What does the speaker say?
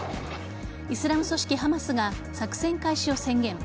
イスラム組織・ハマスが作戦開始を宣言。